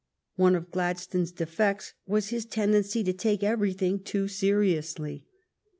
One of Gladstone s defects was his tendency to take everything too seriously.